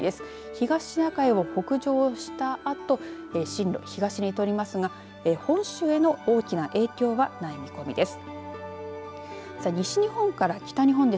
東シナ海を北上したあと進路を東に取りますが本州に大きな影響はない見込みです。